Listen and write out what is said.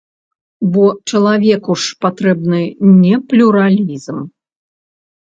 Бо чалавеку ж патрэбны не плюралізм.